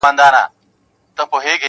• درزهار وو د توپکو د توپونو -